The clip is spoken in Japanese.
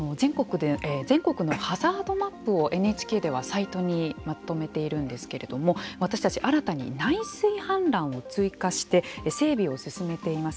全国のハザードマップをＮＨＫではサイトにまとめているんですけれども私たちは新たに内水氾濫を追加して整備を進めています。